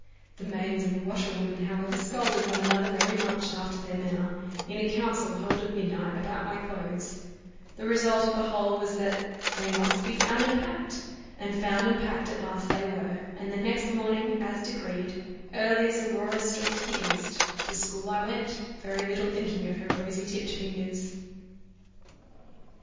The maids and the washerwoman, however, scolded one another very much after their manner, in a council held at midnight, about my clothes; the result of the whole was that "they must be found and packed;" and found and packed at last they were; and the next morning, as decreed, early as Aurora streaked the east, to school I went, very little thinking of her rosy tipped fingers.